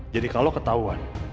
jadi kalau ketahuan